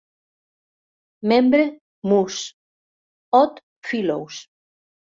Membre, Moose; Odd Fellows.